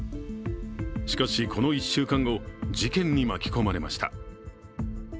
しかし、この１週間後、事件に巻き込まれました。